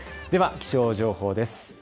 では気象情報です。